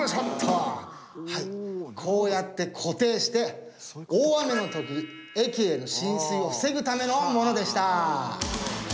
はいこうやって固定して大雨の時駅への浸水を防ぐためのものでした。